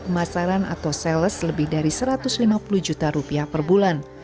keputusan umkm adalah kemasaran atau sales lebih dari satu ratus lima puluh juta rupiah per bulan